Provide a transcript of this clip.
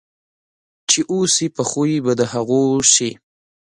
چې اوسې په خوی په د هغو سې.